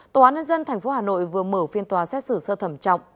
tòa án nhân dân thành phố hà nội vừa mở phiên tòa xét xử sơ thẩm trọng